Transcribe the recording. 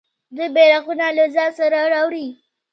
دوی بیرغونه له ځان سره راوړي.